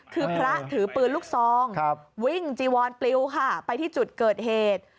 คือพระถือปืนลูกซองวิ่งจีวอนปลิวค่ะไปที่จุดเกิดเหตุ